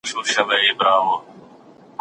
مرګ به هیڅکله زموږ دغه احساس مړ نه کړي.